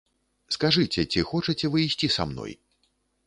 Скажыце, ці хочаце вы ісці са мной?